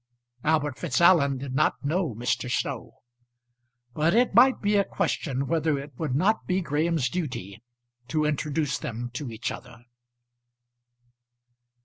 Albert Fitzallen did not know Mr. Snow; but it might be a question whether it would not be Graham's duty to introduce them to each other.